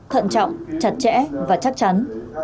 thận trọng chặt chẽ và chắc chắn